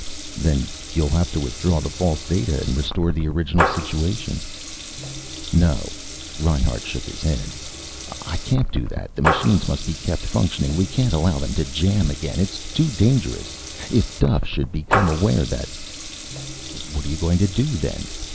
"Then you'll have to withdraw the false data and restore the original situation." "No." Reinhart shook his head. "I can't do that. The machines must be kept functioning. We can't allow them to jam again. It's too dangerous. If Duffe should become aware that " "What are you going to do, then?"